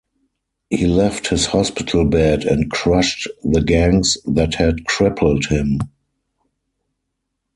He left his hospital bed and crushed the gangs that had crippled him.